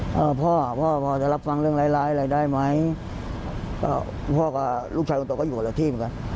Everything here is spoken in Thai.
พ่อพ่อพอจะรับฟังเรื่องร้ายร้ายอะไรได้ไหมก็พ่อกับลูกชายคนโตก็อยู่คนละที่เหมือนกัน